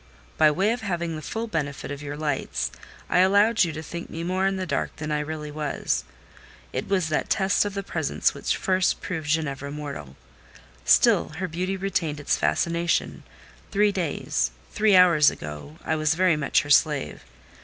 By way of having the full benefit of your lights, I allowed you to think me more in the dark than I really was. It was that test of the presents which first proved Ginevra mortal. Still her beauty retained its fascination: three days—three hours ago, I was very much her slave.